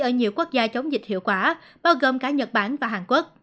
ở nhiều quốc gia chống dịch hiệu quả bao gồm cả nhật bản và hàn quốc